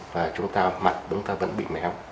và chúng ta mặt chúng ta vẫn bị méo